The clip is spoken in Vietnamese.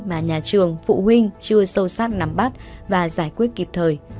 mà nhà trường phụ huynh chưa sâu sát nắm bắt và giải quyết kịp thời